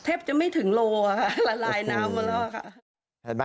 แทบจะไม่ถึงโลค่ะละลายน้ำมาแล้วค่ะ